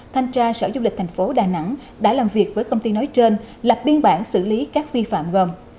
thanh tra sở du lịch thành phố đà nẵng đã làm việc với công ty nói trên lập biên bản xử lý các vi phạm gồm